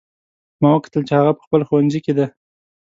ما وکتل چې هغه په خپل ښوونځي کې ده